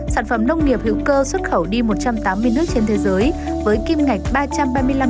sản phẩm nông nghiệp hữu cơ xuất khẩu đi một trăm tám mươi nước trên thế giới với kim ngạch ba trăm ba mươi năm triệu usd mỗi năm